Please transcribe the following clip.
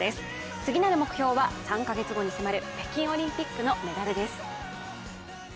次なる目標は３カ月後に迫る北京オリンピックのメダルです。